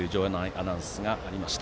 アナウンスがありました。